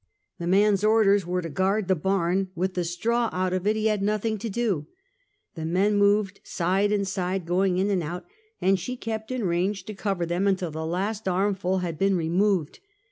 The man's orders were to guard the barn; with the straw out of it he had nothing to do. The men moved side and side, going in and out, and she kept in range to cover them until the last armful had been removed.